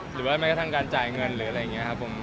หรือว่าแม้กระทั่งการจ่ายเงินหรืออะไรอย่างนี้ครับผม